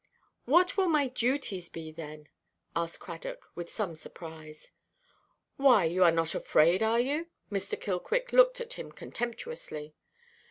"What will my duties be, then?" asked Cradock, with some surprise. "Why, you are not afraid, are you?" Mr. Killquick looked at him contemptuously.